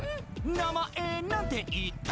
名前何て言った？